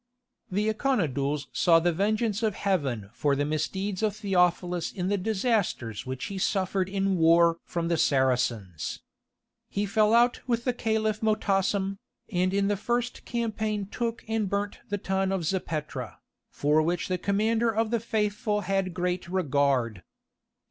The Iconodules saw the vengeance of heaven for the misdeeds of Theophilus in the disasters which he suffered in war from the Saracens. He fell out with the Caliph Motassem, and in the first campaign took and burnt the town of Zapetra, for which the Commander of the Faithful had great regard.